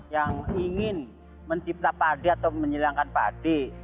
yang ingin mencipta padi atau menyilangkan padi